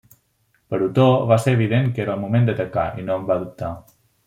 Per Otó va ser evident que era el moment d'atacar i no en va dubtar.